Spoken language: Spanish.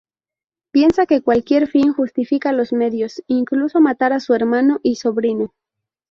Piensa que cualquier fin justifica los medios, incluso matar a su hermano y sobrino.